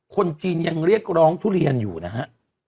คนจีนยังเรียกร้องทุเรียนอยู่นะฮะ